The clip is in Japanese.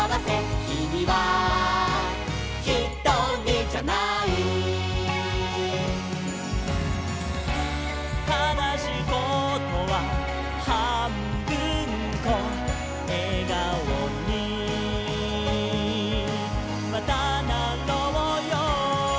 「きみはひとりじゃない」「かなしいことははんぶんこ」「笑顔にまたなろうよー」